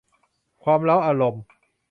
ความเร้าอารมณ์